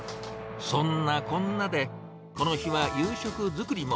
そんなこんなで、この日は夕食作りも、